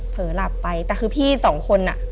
เผลอหลับไปแต่คือพี่สองคนอ่ะ